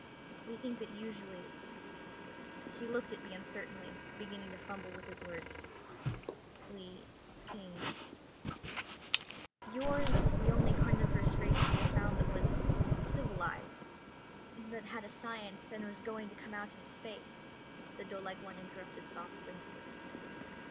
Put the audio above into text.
We think that usually ..." He looked at me uncertainly, beginning to fumble his words. "We think ..." "Yours is the only carnivorous race we have found that was civilized, that had a science and was going to come out into space," the doelike one interrupted softly.